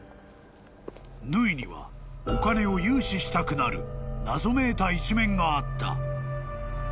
［縫にはお金を融資したくなる謎めいた一面があった］